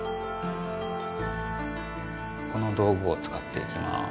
この道具を使っていきます。